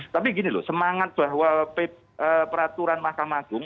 tapi gini loh semangat bahwa peraturan mahkamah agung